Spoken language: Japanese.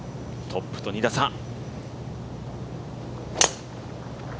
トップと２打差。